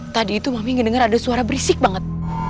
tadi itu mami ngedengar ada suara berisik banget